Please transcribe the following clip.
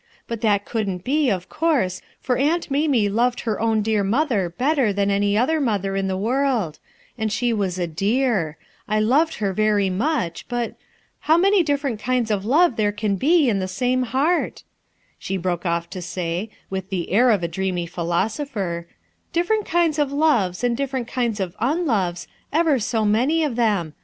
But that couldn't be, of course, for Aunt Mamie loved her own dear mother better than any other mother in the world; and she was a dear; I loved her very much, but — how many different kinds of love there can be in the same heart I" she broke off to say, with the air of a dreamy philosopher, "Different kinds of loves and different kinds of unloves, ever so many of them